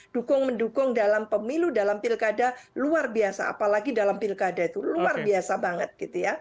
dukung mendukung dalam pemilu dalam pilkada luar biasa apalagi dalam pilkada itu luar biasa banget gitu ya